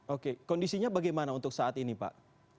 oke kondisinya bagaimana untuk saat ini pak